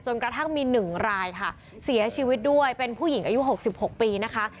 กระทั่งมี๑รายค่ะเสียชีวิตด้วยเป็นผู้หญิงอายุ๖๖ปีนะคะ